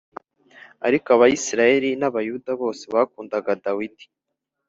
Ariko Abisirayeli n’Abayuda bose bakundaga Dawidi